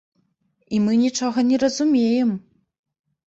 І мы нічога не разумеем!